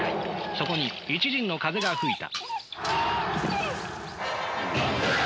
そこに一陣の風が吹いた。